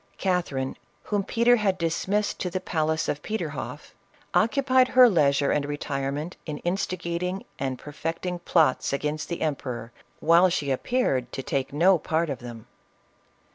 Catherine, whom Peter had dismissed to the palace of Petorhoff, occupied her leisure and retirement in in ng and perfecting plots against the emperor, while she appeared to take part in none of them.